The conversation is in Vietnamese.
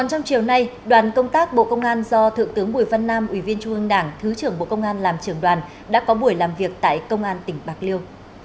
trong chiều nay đoàn công tác bộ công an do thượng tướng bùi văn nam ủy viên trung ương đảng thứ trưởng bộ công an làm trưởng đoàn đã có buổi làm việc tại công an tỉnh bạc liêu